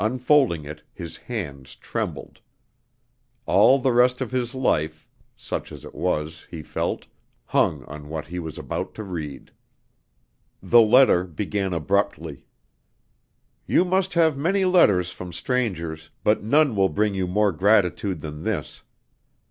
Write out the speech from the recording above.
Unfolding it, his hands trembled. All the rest of his life, such as it was, he felt, hung on what he was about to read. The letter began abruptly. "You must have many letters from strangers, but none will bring you more gratitude than this.